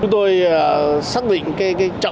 chúng tôi xác định